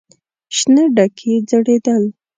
شنه ډکي ځړېدل.